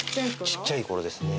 ちっちゃいころですね。